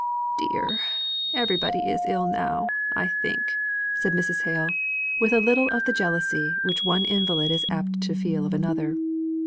"Dear! Everybody is ill now, I think," said Mrs. Hale, with a little of the jealousy which one invalid is apt to feel of another.